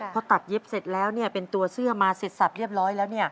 พอตัดเย็บเสร็จแล้วเป็นตัวเสื้อมาเสร็จสับเรียบร้อยแล้ว